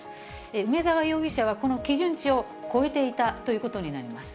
梅沢容疑者は、この基準値を超えていたということになります。